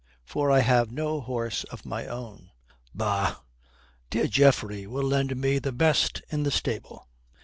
For I have no horse of my own." "Bah, dear Geoffrey will lend me the best in the stable."